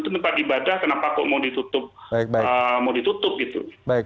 itu tempat ibadah kenapa kok mau ditutup gitu